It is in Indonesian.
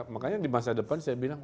makanya di masa depan saya bilang